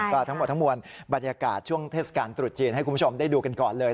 ก็ทั้งหมดทั้งมวลบรรยากาศช่วงเทศกาลตรุษจีนให้คุณผู้ชมได้ดูกันก่อนเลย